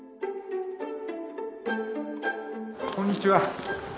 こんにちは。